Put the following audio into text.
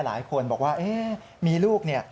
หลายคนบอกว่ามีลูกเนี่ย